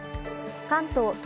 関東、